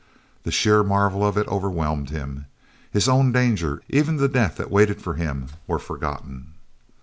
The sheer marvel of it overwhelmed him. His own danger, even the death that waited for him, were forgotten.